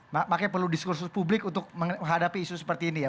makanya perlu diskursus publik untuk menghadapi isu seperti ini ya